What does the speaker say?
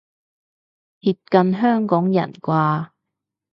貼近香港人啩